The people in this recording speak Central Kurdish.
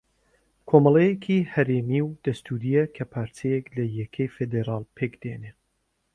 کۆمەڵەیەکی ھەرێمی و دەستوورییە کە پارچەیەک لە یەکەی فێدراڵ پێک دێنێ